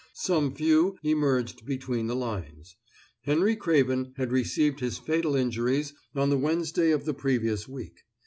Some few emerged between the lines. Henry Craven had received his fatal injuries on the Wednesday of the previous week.